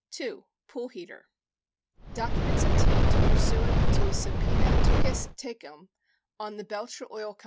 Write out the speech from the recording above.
83 2. POOL HEATER Documents obtained pursuant to a subpena duces tecum on the Belcher Oil Co.